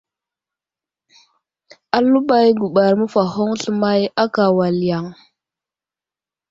Aləɓay guɓar məfahoŋ sləmay ákà wal yaŋ.